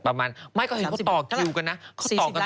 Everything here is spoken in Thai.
ปลาหมึกแท้เต่าทองอร่อยทั้งชนิดเส้นบดเต็มตัว